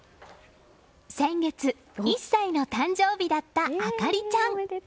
先月１歳の誕生日だった朱里ちゃん。